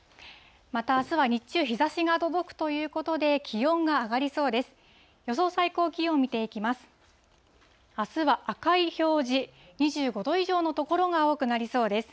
またあすは日中、日ざしが届くということで、気温が上がりそうです。